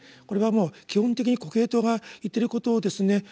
これはもう基本的にコヘレトが言ってることをですね